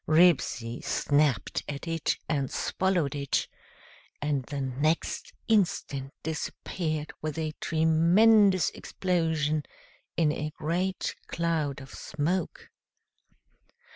Ribsy snapped at it, and swallowed it, and the next instant disappeared with a tremendous explosion in a great cloud of smoke.